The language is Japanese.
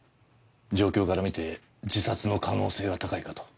状況から見て自殺の可能性が高いかと。